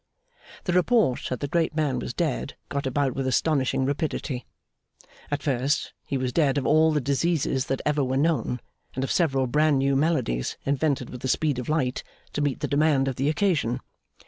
The report that the great man was dead, got about with astonishing rapidity. At first, he was dead of all the diseases that ever were known, and of several bran new maladies invented with the speed of Light to meet the demand of the occasion.